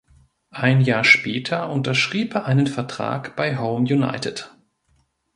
Ein Jahr später unterschrieb er einen Vertrag bei Home United.